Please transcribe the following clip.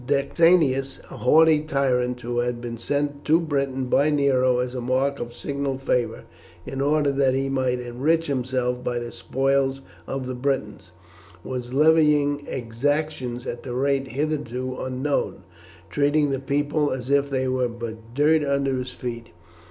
Decianus, a haughty tyrant who had been sent to Britain by Nero as a mark of signal favour, in order that he might enrich himself by the spoils of the Britons, was levying exactions at a rate hitherto unknown, treating the people as if they were but dirt under his feet.